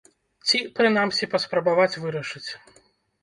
Ці, прынамсі, паспрабаваць вырашыць.